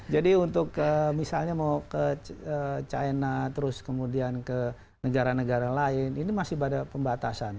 jadi untuk misalnya mau ke china terus kemudian ke negara negara lain ini masih pada pembatasan